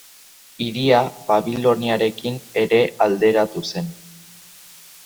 Hiria Babiloniarekin ere alderatu zen.